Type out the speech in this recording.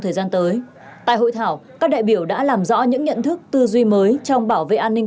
thời gian tới tại hội thảo các đại biểu đã làm rõ những nhận thức tư duy mới trong bảo vệ an ninh